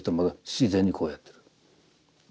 自然にこうやってる。